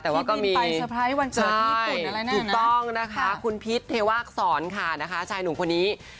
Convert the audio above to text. แต่ว่าก็มีใช่ถูกต้องนะคะคุณพิษเทวาอักษรค่ะนะคะชายหนุ่มคนนี้